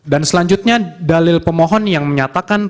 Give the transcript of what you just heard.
dan selanjutnya dalil pemohon yang menyatakan